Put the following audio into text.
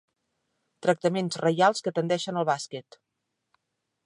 Tractaments reials que tendeixen al bàsquet.